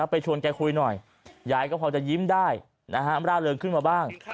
ไปชวนแกคุยหน่อยยายก็พอจะยิ้มได้ร่าเริงขึ้นมาบ้าง